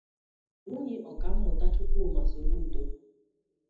nwunye Ọkammụta Chukwuma Soludo